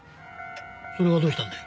それがどうしたんだよ？